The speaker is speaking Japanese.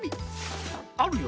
あるよ